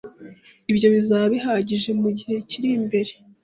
Ibyo bizaba bihagije mugihe kiri imbere.